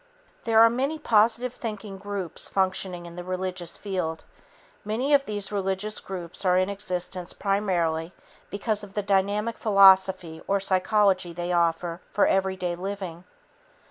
There are many positive thinking groups functioning in the religious field. Many of these religious groups are in existence primarily because of the dynamic philosophy or psychology they offer for every day living.